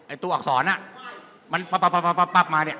ไอตัวอักษรอ่ะมันปัดมาเนี้ย